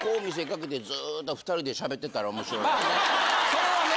それはね。